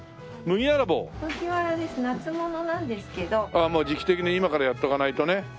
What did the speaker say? あっもう時期的に今からやっておかないとね。